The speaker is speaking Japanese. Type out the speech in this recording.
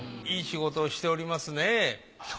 いい仕事をしておりますね。